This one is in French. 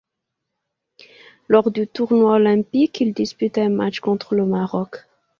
Lors du tournoi olympique, il dispute un match contre le Maroc.